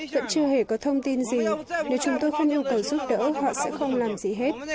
vẫn chưa hề có thông tin gì nếu chúng tôi không yêu cầu giúp đỡ họ sẽ không làm gì hết